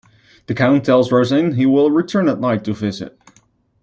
The Count tells Rosine he will return at night to visit.